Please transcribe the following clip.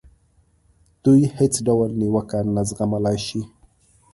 دوی هېڅ ډول نیوکه نه زغملای شي.